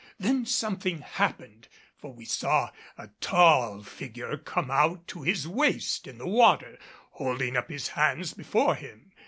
Then something happened; for we saw a tall figure come out to his waist in the water, holding up his hands before him.